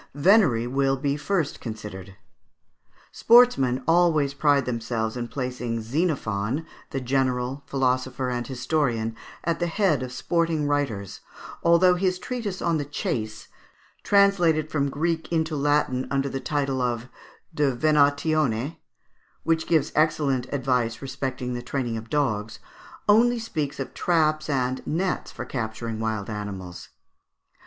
Venery will be first considered. Sportsmen always pride themselves in placing Xenophon, the general, philosopher, and historian, at the head of sporting writers, although his treatise on the chase (translated from the Greek into Latin under the title of "De Venatione"), which gives excellent advice respecting the training of dogs, only speaks of traps and nets for capturing wild animals.